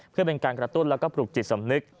เพื่อเป็นการกระตุ้นแล้วก็ปลูกจิตสำนึก